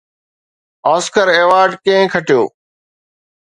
Oscar award ڪنهن کٽيو؟